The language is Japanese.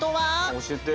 あ教えて！